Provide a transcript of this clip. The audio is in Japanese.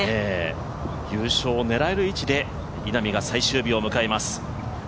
優勝を狙える位置で稲見萌寧が最終日を迎えます。